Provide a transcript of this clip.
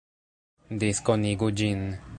Diskonigu ĝin